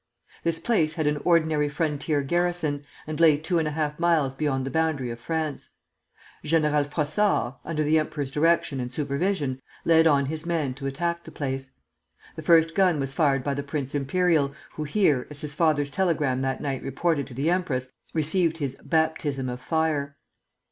This place had an ordinary frontier garrison, and lay two and a half miles beyond the boundary of France. General Frossard, under the emperor's direction and supervision, led on his men to attack the place. The first gun was fired by the Prince Imperial, who here, as his father's telegram that night reported to the empress, received his "baptism of fire."